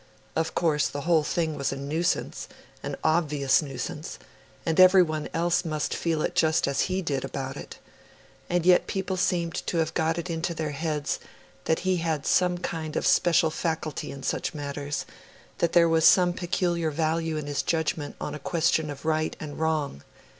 Of course, the whole thing was a nuisance an obvious nuisance; and everyone else must feel just as he did about it. And yet people seemed to have got it into their heads that he had some kind of special faculty in such matters that there was some peculiar value in his judgment on a question of right and wrong.